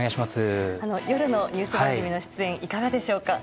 夜のニュース番組の出演いかがでしょうか。